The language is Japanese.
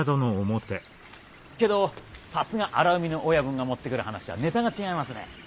けどさすが荒海の親分が持ってくる話はネタが違いますね。